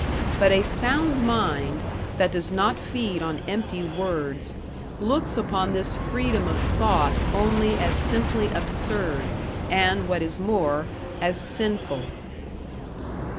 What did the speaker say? But a sound mind, that does not feed on empty words, looks upon this freedom of thought only as simply absurd, and, what is more, as sinful.